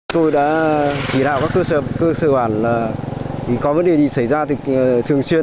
tôi đã chỉ đạo các cơ sở hoàn là có vấn đề gì xảy ra thì thường xuyên